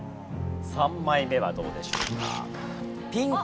３枚目はどうでしょうか。